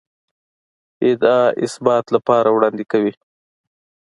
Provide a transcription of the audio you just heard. ادعا اثبات لپاره وړاندې کوي.